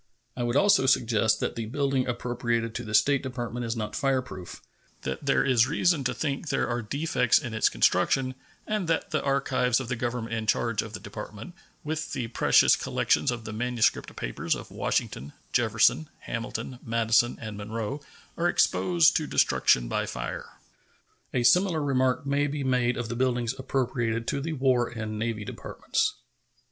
I would also suggest that the building appropriated to the State Department is not fireproof; that there is reason to think there are defects in its construction, and that the archives of the Government in charge of the Department, with the precious collections of the manuscript papers of Washington, Jefferson, Hamilton, Madison, and Monroe, are exposed to destruction by fire. A similar remark may be made of the buildings appropriated to the War and Navy Departments.